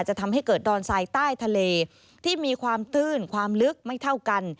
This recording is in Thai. จะทำให้เกิดดอนทรายใต้ทะเลที่มีความตื้นความลึกไม่เท่ากัน